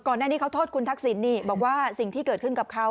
ก่อนหน้านี้เขาโทษคุณทักษิณนี่บอกว่าสิ่งที่เกิดขึ้นกับเขา